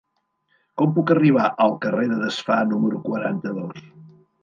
Com puc arribar al carrer de Desfar número quaranta-dos?